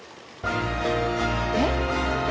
えっ？